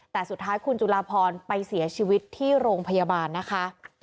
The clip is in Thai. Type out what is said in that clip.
แต่สุดท้ายคุณจุลาพรไปเสียชีวิตที่โรงพยาบาลนะคะ